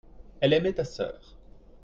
elle aimait ta sœur.